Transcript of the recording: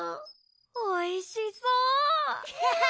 おいしそう！